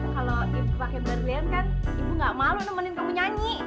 kalau pakai berlian kan ibu gak malu nemenin kamu nyanyi